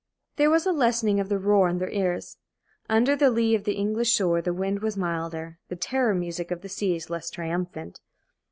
There was a lessening of the roar in their ears. Under the lee of the English shore the wind was milder, the "terror music" of the sea less triumphant.